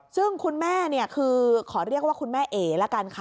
ซึ่งคุณแม่คือขอเรียกว่าคุณแม่เอ๋ละกันค่ะ